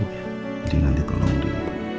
jadi nanti tolong dikumpulkan